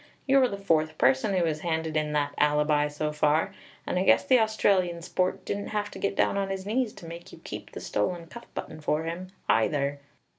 You're the fourth person who has handed in that alibi so far, and I guess the Australian sport didn't have to get down on his knees to make you keep the stolen cuff button for him, either.